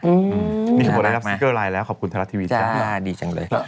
อืมนี่คือหมดแล้วครับแล้วขอบคุณทะลัดทีวีใช่ไหมจ้ะดีจังเลย